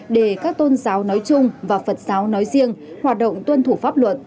để các tôn giáo nói chung và phật giáo nói riêng hoạt động tuân thủ pháp luật